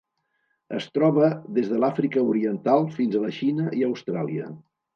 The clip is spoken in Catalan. Es troba des de l'Àfrica Oriental fins a la Xina i Austràlia.